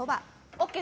ＯＫ。